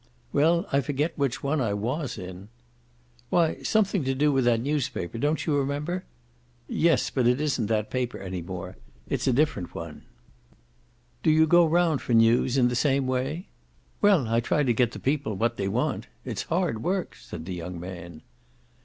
"Well, I forget which one I WAS in." "Why, something to do with that newspaper don't you remember?" "Yes, but it isn't that paper any more it's a different one." "Do you go round for news in the same way?" "Well, I try to get the people what they want. It's hard work," said the young man.